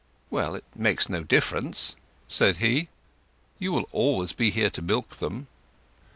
"Well, it makes no difference," said he. "You will always be here to milk them."